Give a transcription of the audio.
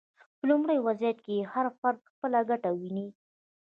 په لومړني وضعیت کې هر فرد خپله ګټه ویني.